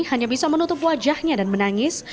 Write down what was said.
hanya bisa menutup wajahnya dan menangis